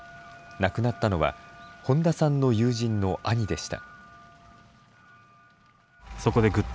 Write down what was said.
亡くなったのは本田さんの友人の兄でした。